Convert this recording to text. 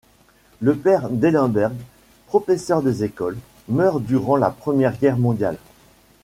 Le père d’Ellenberg, professeur des écoles, meurt durant la Première Guerre mondiale.